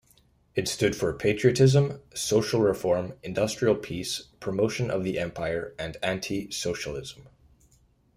It stood for patriotism, social reform, industrial peace, promotion of the Empire and anti-socialism.